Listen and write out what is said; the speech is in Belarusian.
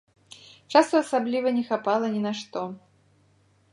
Часу асабліва не хапала ні на што.